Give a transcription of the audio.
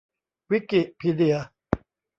วิกิพีเดีย